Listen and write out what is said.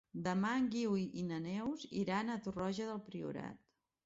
Demà en Guiu i na Neus iran a Torroja del Priorat.